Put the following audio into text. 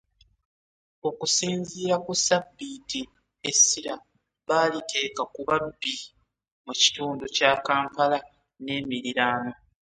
Okusinziira ku Sabiiti, essira baaliteeka ku babbi mu kitundu kya Kampala n'emiriraano